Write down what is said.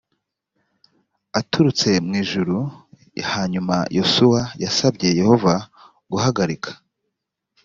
aturutse mu ijuru hanyuma yosuwa yasabye yehova guhagarika